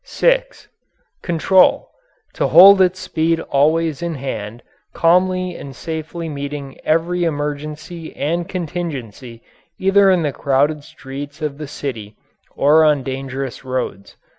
(6) Control to hold its speed always in hand, calmly and safely meeting every emergency and contingency either in the crowded streets of the city or on dangerous roads.